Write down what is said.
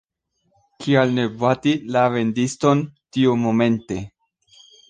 Kial ne bati la vendiston tiumomente?